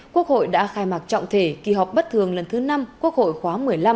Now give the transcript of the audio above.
quốc hội đã khai mạc trọng thể kỳ họp bất thường lần thứ năm quốc hội khóa một mươi năm